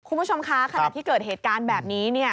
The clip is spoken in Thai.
คุณผู้ชมคะขณะที่เกิดเหตุการณ์แบบนี้เนี่ย